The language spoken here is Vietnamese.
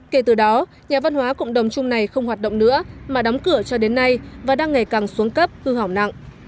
kể từ đó nhà văn hóa cộng đồng chung này không hoạt động nữa mà đóng cửa cho đến nay và đang ngày càng xuống cấp hư hỏng nặng